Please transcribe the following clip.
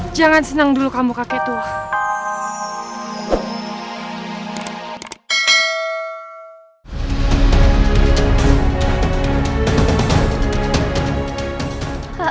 jangan senang dulu kamu kakek tuhan